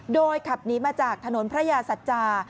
โดยขับหนีมาจากถนนพระยาสัจจา